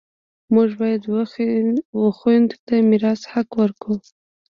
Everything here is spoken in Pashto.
موږ باید و خویندو ته د میراث حق ورکړو